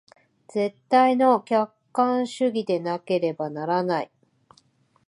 絶対の客観主義でなければならない。